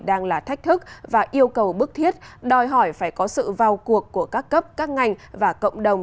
đang là thách thức và yêu cầu bức thiết đòi hỏi phải có sự vào cuộc của các cấp các ngành và cộng đồng